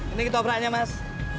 ini kita operanya mas